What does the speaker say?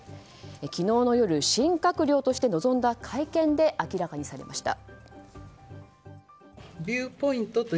昨日の夜新閣僚として臨んだ会見で明らかにされました。